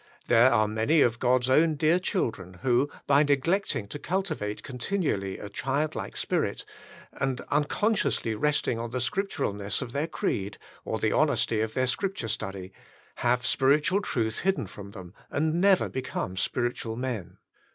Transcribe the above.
There are many of God's own dear children, who, by neglect ing to cultivate continually a childlike spirit, and God's Thoughts and Our Thoughts 71 unconsciously resting on the scripturalness of their creed, or the honesty of their Scripture study, have spiritual truth hidden from them, and never become spiritual men.